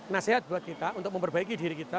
nasihat buat kita untuk memperbaiki diri kita